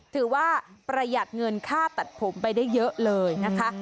ถือว่าประหยัดเงินค่าตัดผมไปได้เยอะเลยนะคะ